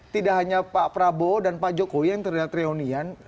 tidak hanya pak prabowo dan pak jokowi yang terlihat reunian